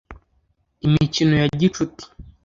Imikino ya gicuti